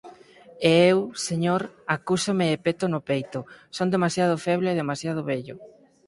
E eu, Señor, acúsome e peto no peito: son demasiado feble e demasiado vello.